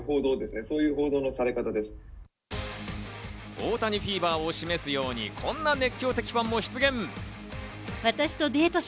オオタニフィーバーを示すように、こんな熱狂的ファンも出現。